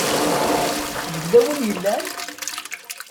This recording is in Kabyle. Yella win i yellan?